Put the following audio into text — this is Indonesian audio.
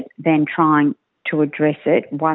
daripada mencoba untuk mengadressnya